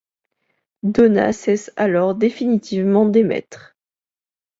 Donna cesse alors définitivement d'émettre.